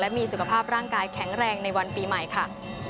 มีสุขภาพร่างกายแข็งแรงในวันปีใหม่ค่ะ